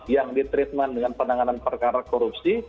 yang ditreatment dengan penanganan perkara korupsi